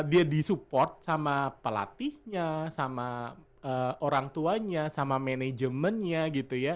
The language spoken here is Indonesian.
dia disupport sama pelatihnya sama orang tuanya sama manajemennya gitu ya